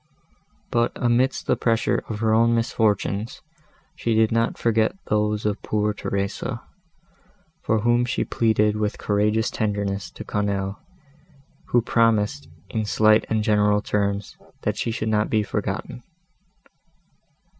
But amidst the pressure of her own misfortunes, she did not forget those of poor Theresa, for whom she pleaded with courageous tenderness to Quesnel, who promised, in slight and general terms, that she should not be forgotten.